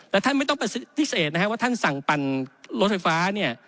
แล้วท่านไม่ต้องเป็นพิเศษนะฮะท่านสั่งปั่นรถไฟฟ้าเนี่ย